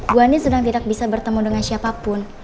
bu ani sedang tidak bisa bertemu dengan siapapun